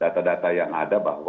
data data yang ada bahwa